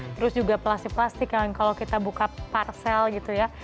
terus juga plastik plastik yang kalau kita buka parcel gitu ya